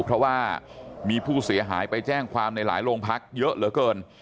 เพราะว่ามีผู้เสียหายไปแจ้งความในหลายโรงพักเยอะเหลือเกิน